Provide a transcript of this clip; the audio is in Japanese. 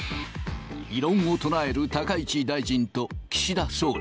異論を唱える高市大臣と岸田総理。